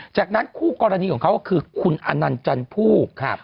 จากนั้นคู่กรณีของเขาคือคุณอนันจันทร์ภูกษ์